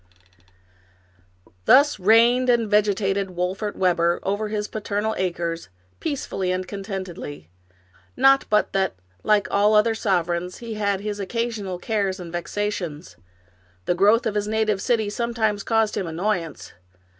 Thus reigned and vegetated Wolfert Webber over his paternal acres, peacefully and contentedly. Not but that, like all other sovereigns, he had his occasional cares and vexations. The growth of his native city sometimes caused him annoyance.